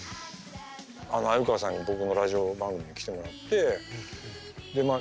鮎川さんに僕のラジオ番組に来てもらってでまあ